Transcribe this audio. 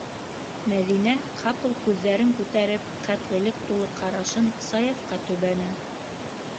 - Мәҙинә ҡапыл күҙҙәрен күтәреп ҡәтғилек тулы ҡарашын Саяфҡа төбәне.